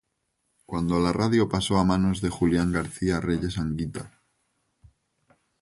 Cuando la radio pasó a manos de Julián García-Reyes Anguita.